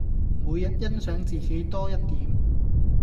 每日欣賞自己多一點